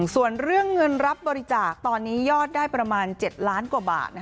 ส่วนเรื่องเงินรับบริจาคตอนนี้ยอดได้ประมาณ๗ล้านกว่าบาท